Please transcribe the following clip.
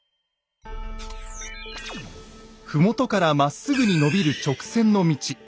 麓からまっすぐに延びる直線の道。